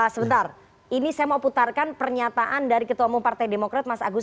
sebentar ini saya mau putarkan pernyataan dari ketua umum partai demokrat mas agus